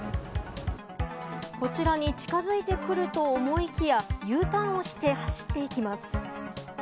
こちらに近づいてくると思いきや、Ｕターンをして走っていきます。